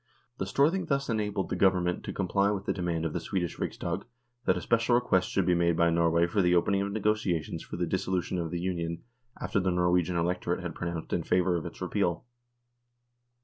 The Storthing thus enabled the Government to comply with the demand of the Swedish Riksdag that a special request should be made by Norway for the opening of negotiations for the dissolution of the Union after the Norwegian electorate had pronounced in favour of its repeal.